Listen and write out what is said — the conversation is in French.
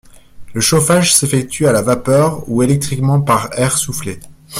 Le chauffage s'effectue à la vapeur ou électriquement par air soufflé.